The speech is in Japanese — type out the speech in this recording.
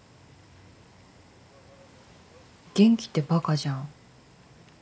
元気ってバカじゃん？